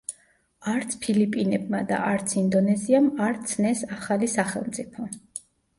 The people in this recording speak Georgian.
არც ფილიპინებმა და არც ინდონეზიამ არ ცნეს ახალი სახელმწიფო.